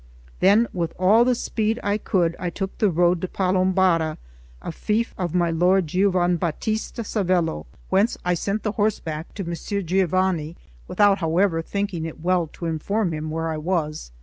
Then, with all the speed I could, I took the road to Palombara, a fief of my lord Giovanbatista Savello, whence I sent the horse back to Messer Giovanni, without, however, thinking it well to inform him where I was.